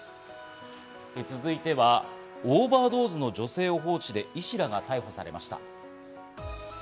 続いてはオーバードーズの女性を放置で医師らが逮捕されました。